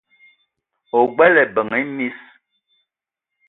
O gbele ebeng e miss :